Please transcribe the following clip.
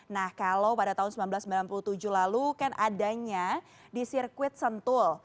nah kalau pada tahun seribu sembilan ratus sembilan puluh tujuh lalu kan adanya di sirkuit sentul